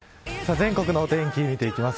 全国のお天気、見ていきます。